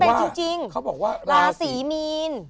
แล้วมันเป็นจริงเขาบอกว่าราศรีมีน